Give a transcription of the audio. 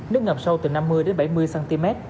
nước ngập sâu từ năm mươi bảy mươi cm